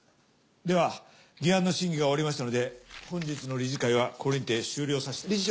では議案の審議が終わりましたので本日の理事会はこれにて終了させて。